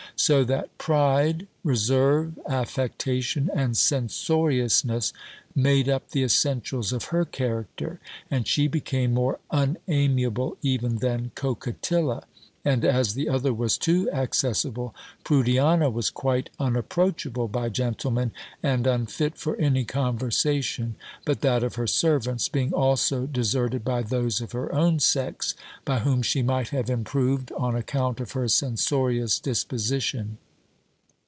So that pride, reserve, affectation, and censoriousness, made up the essentials of her character, and she became more unamiable even than Coquetilla; and as the other was too accessible, Prudiana was quite unapproachable by gentlemen, and unfit for any conversation, but that of her servants, being also deserted by those of her own sex, by whom she might have improved, on account of her censorious disposition.